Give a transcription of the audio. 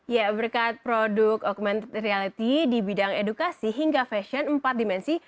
ya berkat produk augmented reality di bidang edukasi hingga fashion empat dimensi